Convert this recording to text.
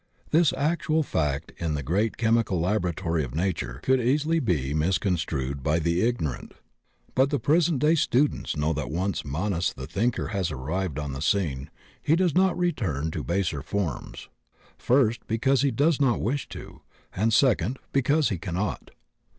This actual fact in the great chemical laboratory of nature could easily be misconstrued by the ignorant. But the pres ent day students know that once Manas the Thinker has arrived on the scene he does not return to baser forms; first, because he does not wish to, and second, because he cannot.